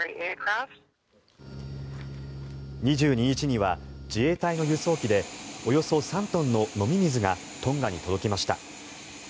２２日には自衛隊の輸送機でおよそ３トンの飲み水がトンガに届きました。